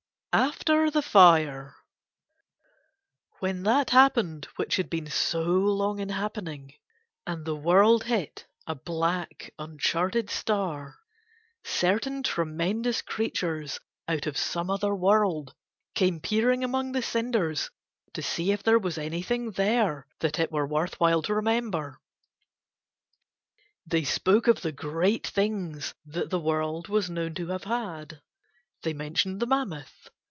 AFTER THE FIRE When that happened which had been so long in happening and the world hit a black, uncharted star, certain tremendous creatures out of some other world came peering among the cinders to see if there were anything there that it were worth while to remember. They spoke of the great things that the world was known to have had; they mentioned the mammoth.